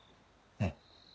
えっ？